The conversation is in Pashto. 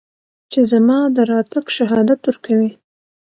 چې زما د راتګ شهادت ورکوي